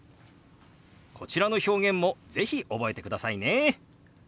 こちらの表現も是非覚えてくださいね。